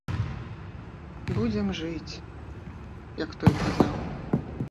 Будзем жыць, як той казаў.